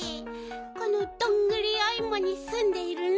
このどんぐりおいもにすんでいるんだ！